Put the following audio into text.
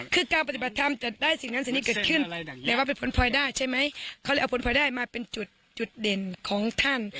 คือการปฏิบัติธรรมจะได้สิ่งนั้นสิ่งนี้เกิดขึ้นแต่ว่าเป็นผลพลอยได้ใช่ไหมเขาเลยเอาผลพลอยได้มาเป็นจุดเด่นของท่าน